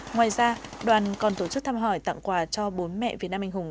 ngoài ra đoàn còn tổ chức thăm hỏi tặng quà cho bốn mẹ việt nam anh hùng